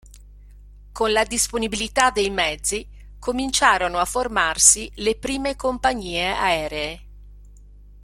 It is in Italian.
Con la disponibilità dei mezzi, cominciarono a formarsi le prime compagnie aeree.